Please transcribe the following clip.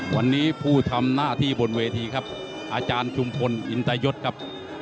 วันนี้ผู้ทำหน้าที่บนเวทีครับอาจารย์ชุมพลอินตยศครับ